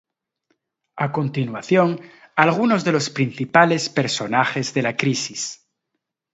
A continuación, algunos de los principales personajes de la crisis.